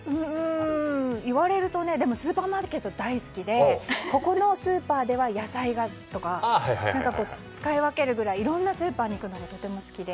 いわれるとスーパーマーケットは大好きでここのスーパーでは野菜が、とか使い分けるぐらいいろんなスーパーに行くのがとても好きで。